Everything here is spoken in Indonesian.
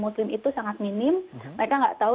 muslim itu sangat minim mereka nggak tahu